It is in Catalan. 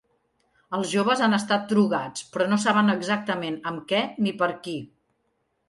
Els joves han estat drogats, però no saben exactament amb què ni per qui.